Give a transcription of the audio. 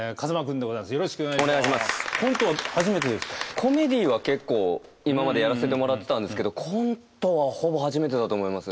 コメディーは結構今までやらせてもらってたんですけどコントはほぼ初めてだと思います。